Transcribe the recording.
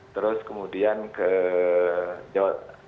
terus kemudian ke jawa